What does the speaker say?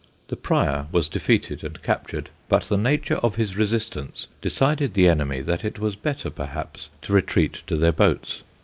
The prior was defeated and captured, but the nature of his resistance decided the enemy that it was better perhaps to retreat to their boats.